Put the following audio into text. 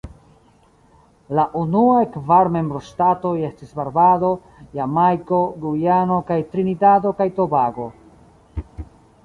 La unuaj kvar membroŝtatoj estis Barbado, Jamajko, Gujano kaj Trinidado kaj Tobago.